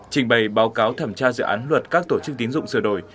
trình bày báo cáo thẩm tra dự án luật các tổ chức tín dụng sửa đổi